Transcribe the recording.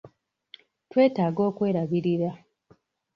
Twetaaga okwerabirira.